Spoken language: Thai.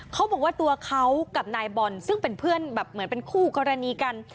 เขาบอกว่าตัวเขากับนายบอลซึ่งเป็นเพื่อนแบบเหมือนเป็นคู่กรณีกัน